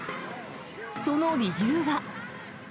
その理由は。